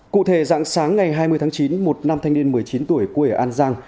cụ thể dạng sáng ngày hai mươi tháng chín một nam thanh niên một mươi chín tuổi quê ở an giang